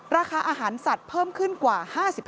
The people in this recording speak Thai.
ราคาอาหารสัตว์เพิ่มขึ้นกว่า๕๕